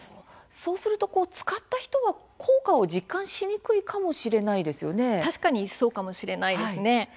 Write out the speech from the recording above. そうすると使った人は効果を実感しにくいかも確かにそうかもしれません。